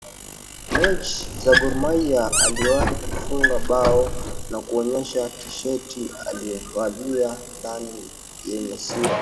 mechi za Gor Mahia aliwahi kufunga bao na kuionyesha tisheti aliyovalia ndani yenye sura